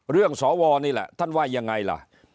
สวนี่แหละท่านว่ายังไงล่ะ